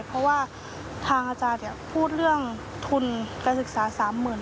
เพราะว่าทางอาจารย์พูดเรื่องทุนการศึกษา๓๐๐๐บาท